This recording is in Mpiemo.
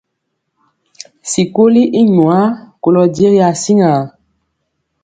Sikoli i nwaa kolɔ jegi asiŋa.